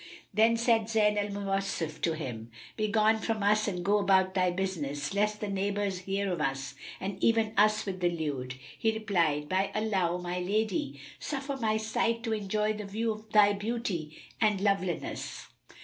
Then said Zayn al Mawásif to him, "Begone from us and go about thy business, lest the neighbours hear of us and even us with the lewd." He replied, "By Allah, O my lady, suffer my sight to enjoy the view of thy beauty and loveliness."